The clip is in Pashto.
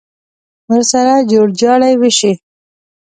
ورسره جوړ جاړی وشي.